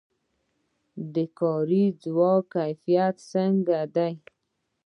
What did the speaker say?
د کاري ځواک کیفیت څنګه دی؟